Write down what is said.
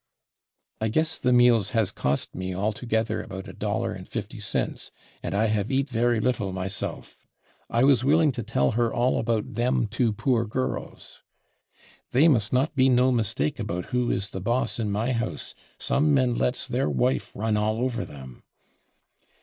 I guess the meals /has/ cost me all together about $1.50, and I have /eat/ very little myself.... I was willing to tell her all about /them/ two poor girls.... They must not be /no/ mistake about who is the boss in my house. Some men /lets/ their /wife/ run all over them....